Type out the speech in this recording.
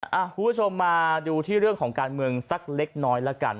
คุณผู้ชมมาดูที่เรื่องของการเมืองสักเล็กน้อยแล้วกัน